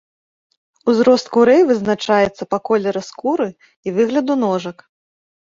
Узрост курэй вызначаецца па колеры скуры і выгляду ножак.